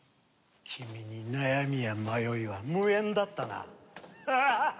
君に悩みや迷いは無縁だったな。